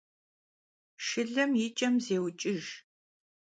Şşılem yi ç'em zêuç'ıjj.